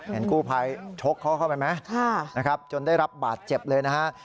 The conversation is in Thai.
เห็นกู้ภัยชกเขาเข้าไปไหมจนได้รับบาดเจ็บเลยนะครับ